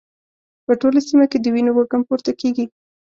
په ټوله سيمه کې د وینو وږم پورته کېږي.